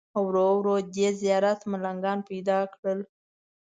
ورو ورو دې زیارت ملنګان پیدا کړل.